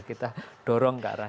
kita dorong ke arah